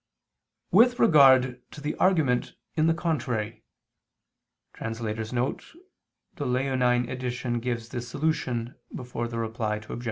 With regard to the argument in the contrary [*The Leonine Edition gives this solution before the Reply Obj.